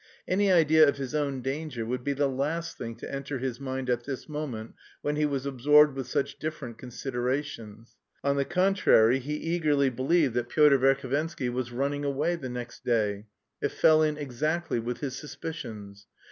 Any idea of his own danger would be the last thing to enter his head at this moment when he was absorbed with such different considerations. On the contrary, he eagerly believed that Pyotr Verhovensky was running away the next day: it fell in exactly with his suspicions!